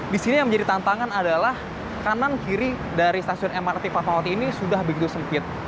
di sini yang menjadi tantangan adalah kanan kiri dari stasiun mrt fatmawati ini sudah begitu sempit